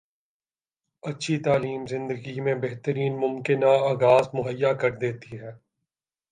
اچھی تعلیم زندگی میں بہترین ممکنہ آغاز مہیا کردیتی ہے